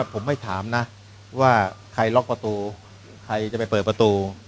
พ่อถามนะว่าใครล๊อกประตูใครเปิดประตู